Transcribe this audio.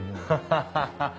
ハハハハッ。